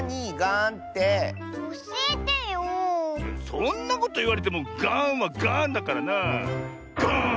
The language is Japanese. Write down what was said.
そんなこといわれてもガーンはガーンだからなあ。ガーン！